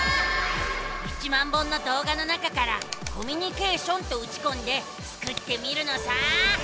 １０，０００本のどう画の中から「コミュニケーション」とうちこんでスクってみるのさ！